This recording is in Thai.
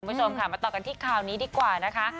คุณผู้ชมค่ะมาต่อกันที่ข่าวนี้ดีกว่านะคะ